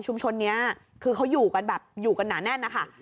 นี้คือเขาอยู่กันแบบอยู่กันหนาแน่นนะคะ